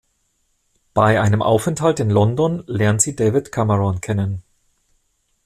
Bei einem Aufenthalt in London lernt sie David Cameron kennen.